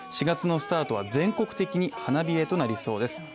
４月のスタートは全国的に花冷えとなりそうです。